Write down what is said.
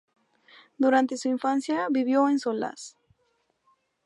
Durante su infancia vivió en Solace.